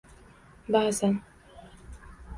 Ba’zan…